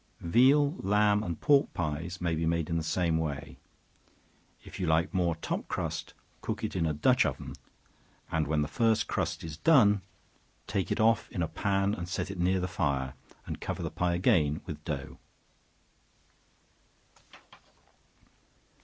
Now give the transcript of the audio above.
Veal, lamb and pork pies, may be made in the same way. If you like more top crust, cook it in a dutch oven, and when the first crust is done, take it off in a pan and set it near the fire, and cover the pie again with dough.